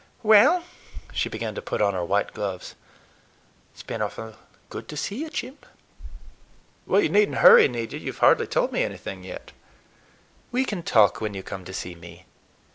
Well,"—she began to put on her white gloves,—"it's been awful good to see you, Jim." "You need n't hurry, need you? You've hardly told me anything yet." "We can talk when you come to see me.